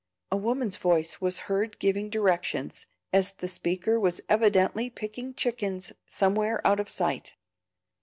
A woman's voice was heard giving directions, as the speaker was evidently picking chickens somewhere out of sight.